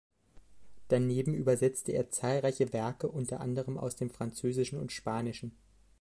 Daneben übersetzte er zahlreiche Werke unter anderem aus dem Französischen und Spanischen.